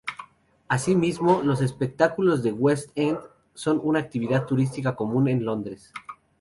Asimismo, los espectáculos de West End son una actividad turística común en Londres.